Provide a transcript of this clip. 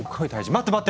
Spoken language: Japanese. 待って待って！